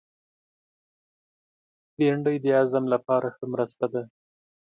بېنډۍ د هضم لپاره ښه مرسته ده